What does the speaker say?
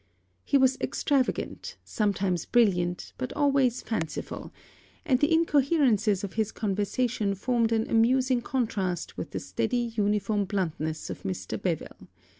He was extravagant; sometimes brilliant, but always fanciful; and the incoherencies of his conversation formed an amusing contrast with the steady uniform bluntness of Mr. Beville.